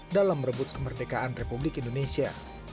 dalam merebut kemerdekaan republik indonesia